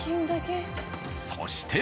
そして。